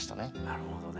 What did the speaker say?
なるほどね。